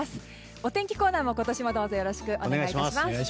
お天気コーナーも今年もどうぞよろしくお願いします。